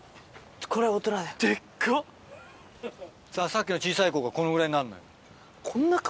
さっきの小さい子がこのぐらいになるのよ。